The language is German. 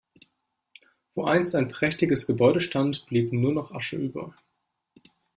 Wo einst ein prächtiges Gebäude stand, blieb nur noch Asche über.